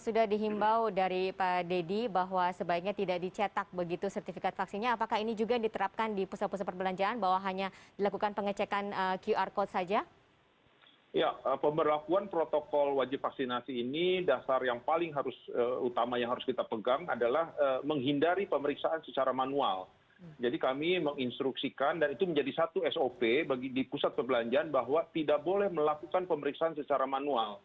semakin sedikit bersentuhan secara